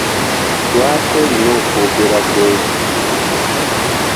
Lwaki olina okwogera ku ekyo?